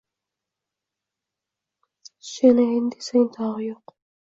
Suyanayin desa togi yuq